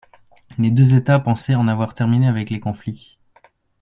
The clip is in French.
Les deux États pensaient en avoir terminé avec les conflits.